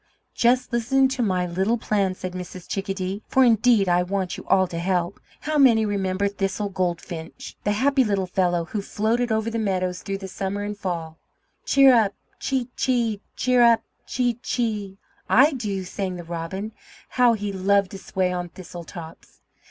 "Just listen to my little plan," said Mrs. Chickadee, "for, indeed, I want you all to help. How many remember Thistle Goldfinch the happy little fellow who floated over the meadows through the summer and fall?" "Cheerup, chee chee, cheerup, chee chee, I do," sang the Robin; "how he loved to sway on thistletops!"